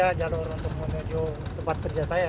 saya jalur untuk menuju tempat kerja saya